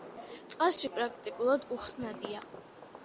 წყალში პრაქტიკულად უხსნადია.